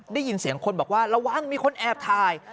ได้ยินเสียงคนบอกว่าระวังมีคนแอบถ่าย